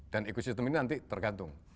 dan ekosistem ini nanti tergantung